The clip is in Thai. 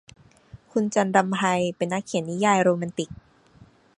คุณจันทรำไพ เป็นนักเขียนนิยายโรแมนติก